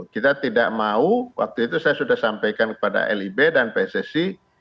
kita tidak mau waktu itu saya sudah sampaikan kepada lib dan pssi